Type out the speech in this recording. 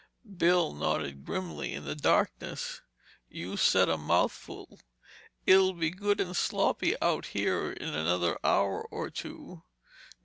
Bill nodded grimly in the darkness. "You said a mouthful. It'll be good and sloppy out here in another hour or two.